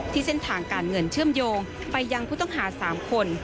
เส้นทางการเงินเชื่อมโยงไปยังผู้ต้องหา๓คน